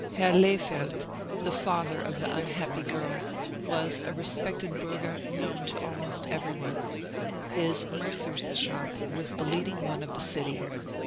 Herr Lehfeldt, the father of the unhappy girl, was a respected burgher known to almost every one. His mercer's shop was the leading one of the city.